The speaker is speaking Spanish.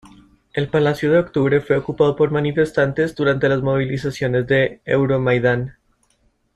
El Palacio de Octubre fue ocupado por manifestantes durante las movilizaciones de Euromaidán.